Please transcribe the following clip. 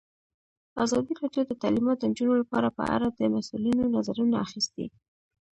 ازادي راډیو د تعلیمات د نجونو لپاره په اړه د مسؤلینو نظرونه اخیستي.